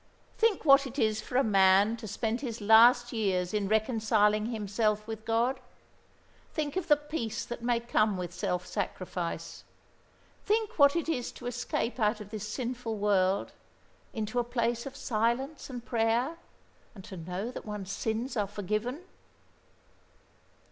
Think what it is for a man to spend his last years in reconciling himself with God. Think of the peace that may come with self sacrifice. Think what it is to escape out of this sinful world into a place of silence and prayer, and to know that one's sins are forgiven."